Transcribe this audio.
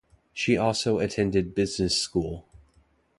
She also attended business school.